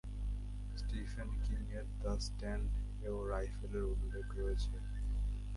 Stephen কিং-এর "the স্ট্যান্ড"-এও রাইফেলের উল্লেখ রয়েছে।